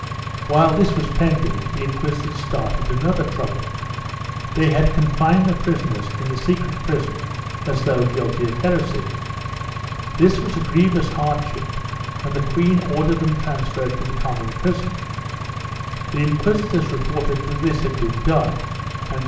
While this was pending, the inquisitors started another trouble. They had confined the prisoners in the secret prison as though guilty of heresy. This was a grievous hardship and the queen ordered them transferred to the common prison; the inquisitors reported that this had been done and then, on 1 Archive de Simancas, Inquisicion, Lib.